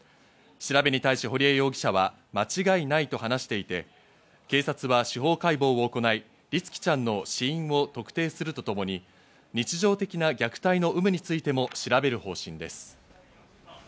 調べに対し、堀江容疑者は間違いないと話していて、警察は司法解剖を行い、律希ちゃんの死因を特定するとともに日常的な虐待の有無についても調べる方針です。